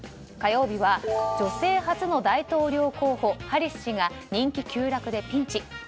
火曜日は女性初の大統領候補ハリス氏が人気急落でピンチ。